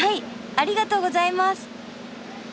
ありがとうございます！